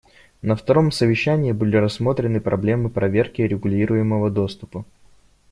На втором совещании были рассмотрены проблемы проверки и регулируемого доступа.